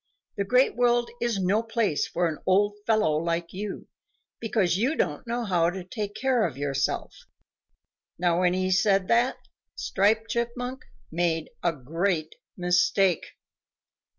The Great World is no place for an old fellow like you, because you don't know how to take care of yourself." Now when he said that, Striped Chipmunk made a great mistake.